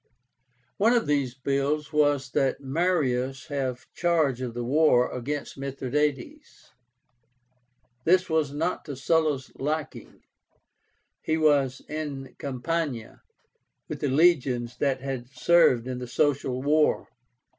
One of these bills was that Marius have charge of the war against Mithradátes. This was not to Sulla's liking. He was in Campania with the legions that had served in the Social War.